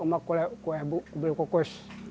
emak kue belukukus